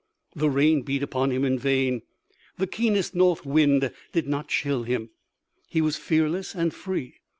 The rain beat upon him in vain, the keenest north wind did not chill him he was fearless and free.